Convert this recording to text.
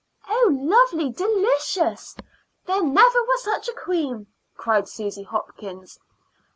"Oh, lovely, delicious! There never was such a queen," cried Susy Hopkins.